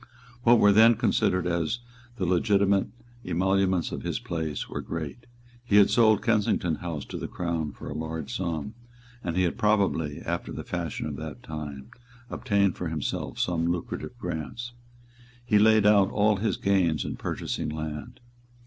What were then considered as the legitimate emoluments of his place were great; he had sold Kensington House to the Crown for a large sum; and he had probably, after the fashion of that time, obtained for himself some lucrative grants. He laid out all his gains in purchasing land.